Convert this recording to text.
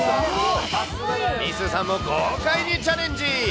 ミースーさんも豪快にチャレンジ。